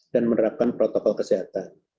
dan menerapkan protokol kesehatan